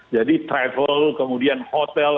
jadi travel kemudian hotel